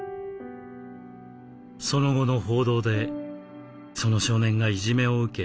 その後の報道でその少年がいじめを受け